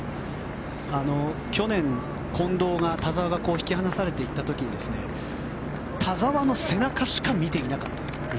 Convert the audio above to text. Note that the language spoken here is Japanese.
去年、近藤が田澤に引き離されていった時に田澤の背中しか見ていなかったと。